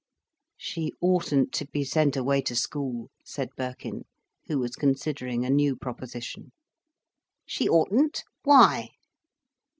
"She oughtn't to be sent away to school," said Birkin, who was considering a new proposition. "She oughtn't. Why?"